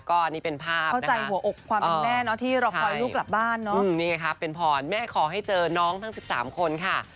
ก็นี่เป็นภาพนะคะใช่นี่แหละค่ะเป็นผ่อนแม่ขอให้เจอน้องทั้ง๑๓คนค่ะ